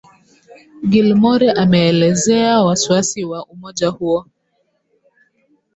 Gilmore ameelezea wasiwasi wa umoja huo.